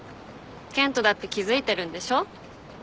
健人だって気付いてるんでしょ？